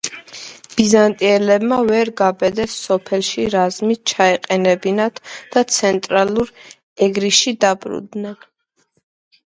ბიზანტიელებმა ვერ გაბედეს სოფლებში რაზმი ჩაეყენებინათ და ცენტრალურ ეგრისში დაბრუნდნენ.